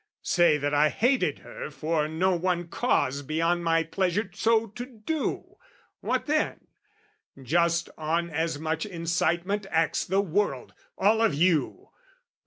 Say that I hated her for no one cause Beyond my pleasure so to do, what then? Just on as much incitement acts the world, All of you!